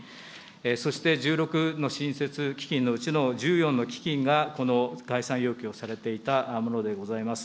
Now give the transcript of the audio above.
そして１６の新設基金のうちの１４の基金がこの概算要求をされていたものでございます。